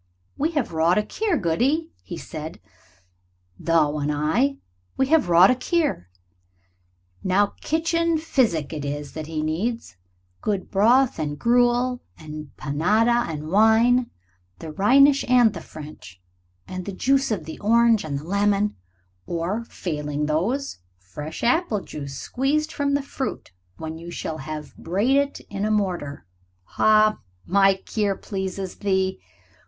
"We have wrought a cure, Goody," he said; "thou and I, we have wrought a cure. Now kitchen physic it is that he needs good broth and gruel and panada, and wine, the Rhenish and the French, and the juice of the orange and the lemon, or, failing those, fresh apple juice squeezed from the fruit when you shall have brayed it in a mortar. Ha, my cure pleases thee?